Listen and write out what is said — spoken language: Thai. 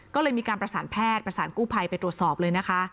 ก็เลยมีการประสานแพทย์ประสานกู้ภัยไปตรวจสอบเลยนะคะ